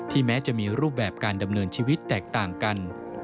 แม้จะมีรูปแบบการดำเนินชีวิตแตกต่างกัน